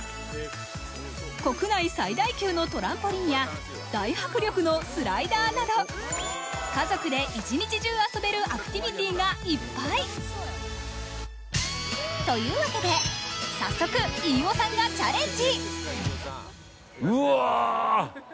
国内最大級のトランポリンや大迫力のスライダーなど家族で一日中遊べるアクティビティーがいっぱい。というわけで、早速飯尾さんがチャレンジ。